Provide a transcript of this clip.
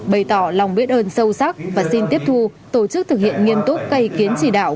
bày tỏ lòng biết ơn sâu sắc và xin tiếp thu tổ chức thực hiện nghiêm túc các ý kiến chỉ đạo